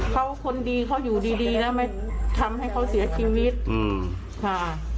เขาคนดีอะไรอยู่ดีแล้วทำให้เขาเสียชีวิตค่ะ